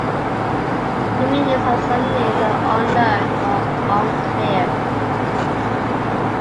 The meanings of some names are unknown or unclear.